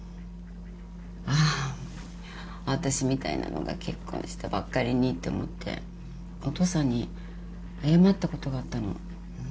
あーあたしみたいなのが結婚したばっかりにって思ってお父さんに謝ったことがあったの。